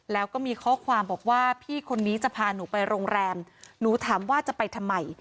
แล้วก็มีข้อความบอกว่าพี่คนนี้จะพาหนูไปโรงแรมหนูถามว่าจะไปทำไม